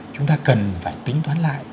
chúng ta cần phải tính toán lại